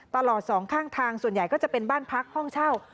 สองข้างทางส่วนใหญ่ก็จะเป็นบ้านพักห้องเช่า